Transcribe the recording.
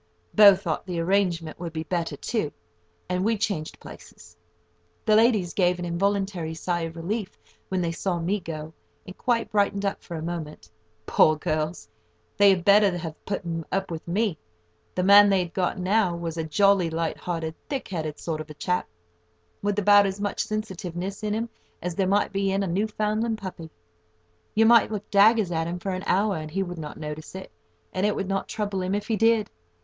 Bow thought the arrangement would be better too, and we changed places. The ladies gave an involuntary sigh of relief when they saw me go, and quite brightened up for a moment. Poor girls! they had better have put up with me. The man they had got now was a jolly, light hearted, thick headed sort of a chap, with about as much sensitiveness in him as there might be in a Newfoundland puppy. You might look daggers at him for an hour and he would not notice it, and it would not trouble him if he did.